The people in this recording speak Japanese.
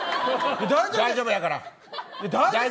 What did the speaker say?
大丈夫やから。